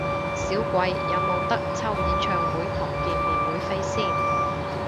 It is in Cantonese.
少貴，有無得抽演唱會同見面會飛先？